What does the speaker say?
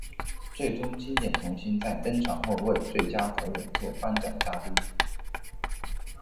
最终经典童星在登场后为最佳导演作颁奖嘉宾。